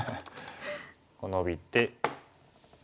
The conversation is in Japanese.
こうノビて。